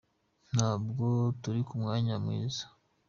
ntabwo turi ku mwanya mwiza.